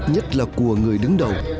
nhất là của người đứng đầu